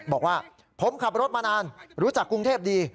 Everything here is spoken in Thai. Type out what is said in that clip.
บอกว่าผมขับรถมานานรู้จักกรุงเทพดี